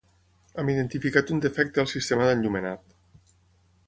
Hem identificat un defecte al sistema d'enllumenat.